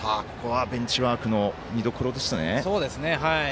ベンチワークの見どころですね。